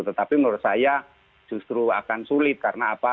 tetapi menurut saya justru akan sulit karena apa